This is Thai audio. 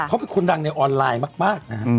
เขาเป็นคนดังในออนไลน์มากนะฮะ